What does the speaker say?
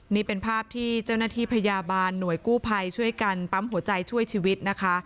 นี่เป็นภาพที่เจ้าหน้าที่พยาบาลหน่วยกู้ภัยช่วยกันปั๊มหัวใจช่วยชีวิตนะคะ